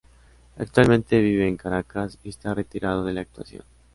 Actualmente vive en Caracas y esta retirado de la actuación.